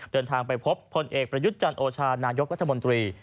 เดินทางไปพบผลเอกประยุจจันทร์โอชานายกวัฒนมนตรี